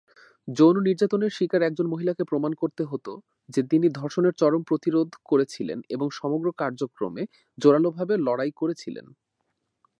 যৌন নির্যাতনের শিকার একজন মহিলাকে প্রমাণ করতে হত যে তিনি ধর্ষণের চরম প্রতিরোধ করেছিলেন এবং সমগ্র কার্যক্রমে জোরালোভাবে লড়াই করেছিলেন।